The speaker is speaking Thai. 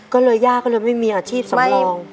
ก็เลยย่าก็เลยไม่มีอาชีพสำรอง